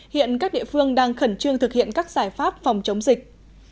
hiện các địa phương đang khẩn trương thực hiện các giải pháp phòng chống dịch